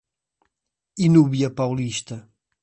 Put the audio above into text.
Inúbia Paulista